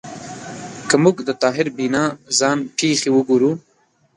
که موږ د طاهر بینا ځان پېښې وګورو